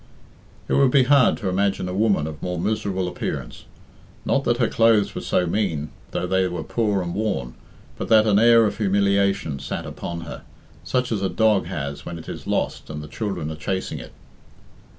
It would be hard to imagine a woman of more miserable appearance. Not that her clothes were so mean, though they were poor and worn, but that an air of humiliation sat upon her, such as a dog has when it is lost and the children are chasing it.